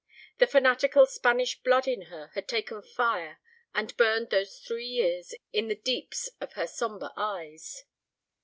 The fanatical Spanish blood in her had taken fire and burned those three years in the deeps of her sombre eyes.